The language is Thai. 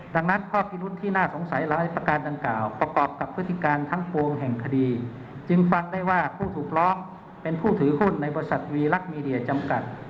ดังนั้นข้อพิรุธที่น่าสงสัยหลายประการดังกล่าวประกอบกับพฤติการทั้งปวงแห่งคดีจึงฟังได้ว่าผู้ถูกร้องเป็นผู้ถือหุ้นในบริษัทวีลักษณ์มีเดียจำกัด